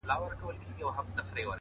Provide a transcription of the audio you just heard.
پوهه د تصمیمونو وزن درک کوي,